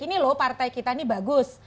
ini loh partai kita ini bagus